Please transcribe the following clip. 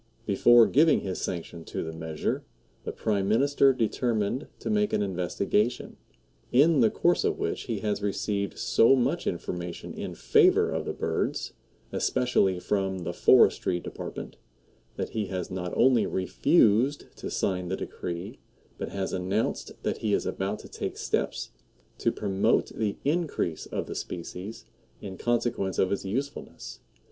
Before giving his sanction to the measure the Prime Minister determined to make an investigation, in the course of which he has received so much information in favor of the birds, especially from the Forestry Department, that he has not only refused to sign the decree, but has announced that he is about to take steps to promote the increase of the species in consequence of its usefulness.